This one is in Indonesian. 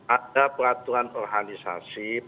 ada peraturan organisasi po lima dua ribu tujuh belas